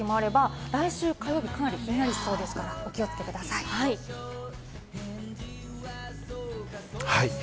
朝、東京はひと桁になる日もあれば来週火曜日、かなりひんやりしそうですから、お気をつけください。